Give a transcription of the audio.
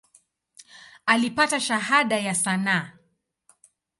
Alipata Shahada ya sanaa.